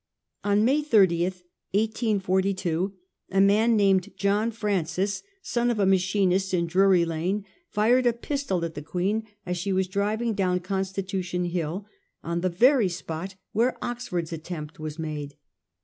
On May 30, 1842, a man named John Francis, son of a machinist in Drury Lane, fired a pistol at the Queen as she was driving down Constitution TTill > on the very spot where Oxford's attempt was made.